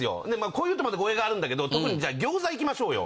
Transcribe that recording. こういうとまた語弊があるんだけど特に餃子いきましょうよ